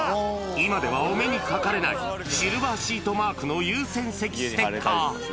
今ではお目にかかれないシルバーシートマークの優先席ステッカー。